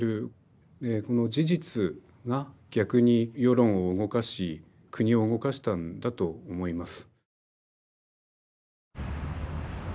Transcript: この事実が逆に世論を動かし国を動かしたんだと思います。